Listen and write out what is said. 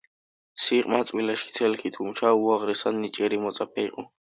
სიყმაწვილეში ცელქი, თუმცა უაღრესად ნიჭიერი მოწაფე იყო.